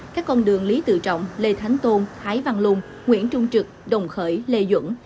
các con đường lý tự trọng lê thánh tôn thái văn luân nguyễn trung trực đồng khởi lê dũng